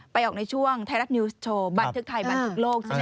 ออกในช่วงไทยรัฐนิวส์โชว์บันทึกไทยบันทึกโลกใช่ไหม